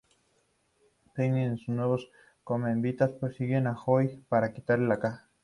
Pinhead y sus nuevos Cenobitas persiguen a Joey para quitarle la caja.